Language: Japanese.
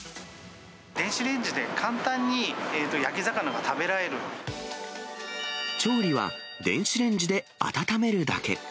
電子レンジで簡単に焼き魚が調理は、電子レンジで温めるだけ。